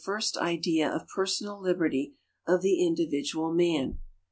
st idea of personal liberty of the individual man.